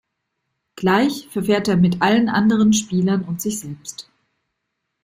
Gleich verfährt er mit allen anderen Spielern und sich selbst.